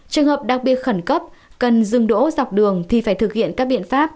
trường hợp đặc biệt khẩn cấp cần dừng đỗ dọc đường thì phải thực hiện các biện pháp